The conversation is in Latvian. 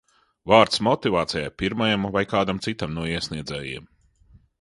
Vārds motivācijai pirmajam vai kādam citam no iesniedzējiem.